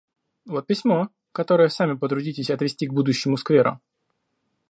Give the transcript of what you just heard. Вот письмо, которое сами потрудитесь отвезти к будущему свекру».